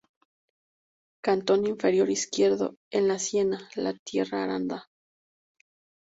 Cantón Inferior Izquierdo, en siena, la tierra arada.